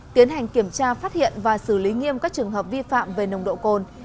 tiến hành kiểm tra phát hiện và xử lý nghiêm các trường hợp vi phạm về nồng độ cồn